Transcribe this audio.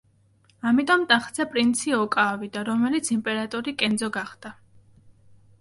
ამიტომ ტახტზე პრინცი ოკა ავიდა, რომელიც იმპერატორი კენძო გახდა.